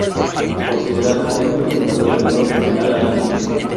Considerado uno de los fundadores del rock nacional argentino.